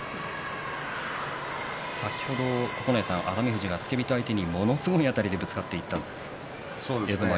九重さん、熱海富士が先ほど付け人相手にものすごいあたりでぶつかっていました。